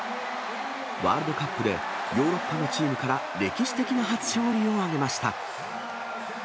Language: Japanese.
ワールドカップでヨーロッパのチームから歴史的な初勝利を挙げました。